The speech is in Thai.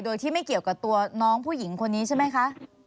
โดยที่ไม่เกี่ยวกับตัวน้องผู้หญิงคนนี้ใช่ไหมคะ